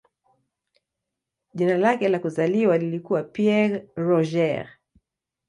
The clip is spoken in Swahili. Jina lake la kuzaliwa lilikuwa "Pierre Roger".